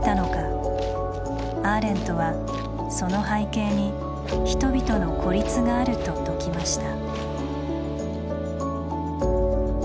アーレントはその背景に人々の「孤立」があると説きました。